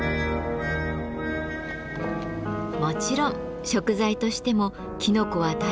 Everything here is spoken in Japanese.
もちろん食材としてもきのこは大活躍。